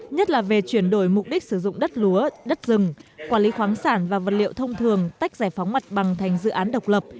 nhất là về chuyển đổi mục đích sử dụng đất lúa đất rừng quản lý khoáng sản và vật liệu thông thường tách giải phóng mặt bằng thành dự án độc lập